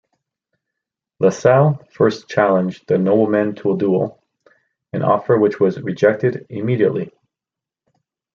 Lassalle first challenged the nobleman to a duel, an offer which was rejected immediately.